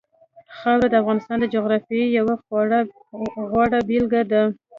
خاوره د افغانستان د جغرافیې یوه خورا غوره بېلګه ده.